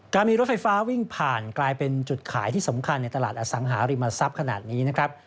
มีรถไฟฟ้าวิ่งผ่านกลายเป็นจุดขายที่สำคัญในตลาดอสังหาริมทรัพย์ขนาดนี้นะครับ